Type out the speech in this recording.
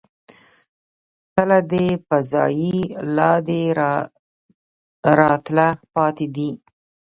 تله دې په ځائے، لا دې راتله پاتې دي